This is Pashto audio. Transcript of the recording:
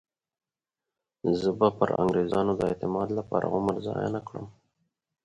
زه به پر انګریزانو د اعتماد لپاره عمر ضایع نه کړم.